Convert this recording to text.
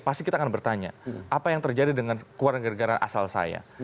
pasti kita akan bertanya apa yang terjadi dengan keluarga negara asal saya